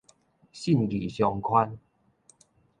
信義商圈